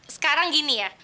sekarang gini ya